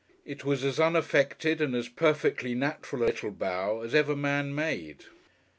It was as unaffected and as perfectly natural a little bow, as ever man made.